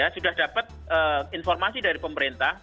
sudah dapat informasi dari pemerintah